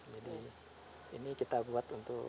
jadi ini kita buat untuk